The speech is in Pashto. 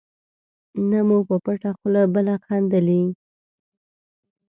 نه مو په پټه خوله بله خندلي.